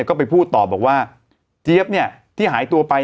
ก็ไปพูดต่อบอกว่าเจ๊บที่หายตัวไป